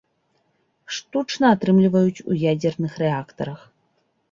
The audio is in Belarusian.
Штучна атрымліваюць у ядзерных рэактарах.